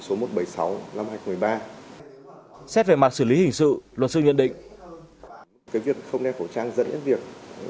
số một trăm bảy mươi sáu nghìn năm trăm hai mươi ba xét về mặt xử lý hình sự luật sư nhận định cái việc không đeo khẩu trang dẫn đến việc